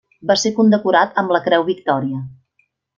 Va ser condecorat amb la Creu Victòria.